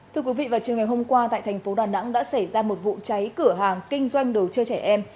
thưa quý vị vào chiều ngày hôm qua tại thành phố đà nẵng đã xảy ra một vụ cháy cửa hàng kinh doanh đồ chơi trẻ em